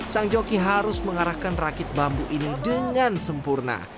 sang joki harus mengarahkan rakit bambu ini dengan sempurna